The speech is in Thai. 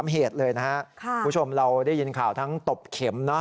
เหตุเลยนะครับคุณผู้ชมเราได้ยินข่าวทั้งตบเข็ม